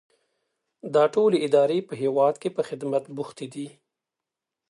دا ټولې ادارې په هیواد کې په خدمت بوختې دي.